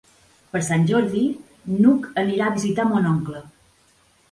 Per Sant Jordi n'Hug anirà a visitar mon oncle.